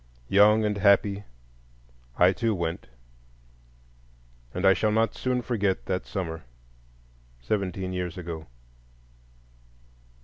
Young and happy, I too went, and I shall not soon forget that summer, seventeen years ago.